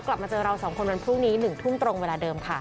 กลับมาเจอเราสองคนวันพรุ่งนี้๑ทุ่มตรงเวลาเดิมค่ะ